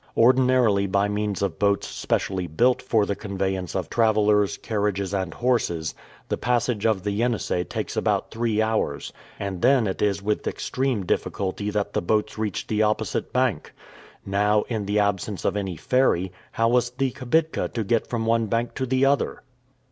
Ordinarily by means of boats specially built for the conveyance of travelers, carriages, and horses, the passage of the Yenisei takes about three hours, and then it is with extreme difficulty that the boats reach the opposite bank. Now, in the absence of any ferry, how was the kibitka to get from one bank to the other?